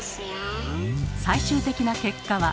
最終的な結果は？